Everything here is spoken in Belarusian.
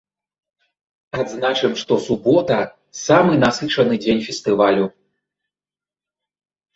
Адзначым, што субота самы насычаны дзень фестывалю.